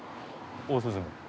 オオスズメ。